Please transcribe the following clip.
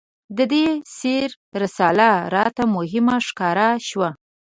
د دې سیر رساله راته مهمه ښکاره شوه.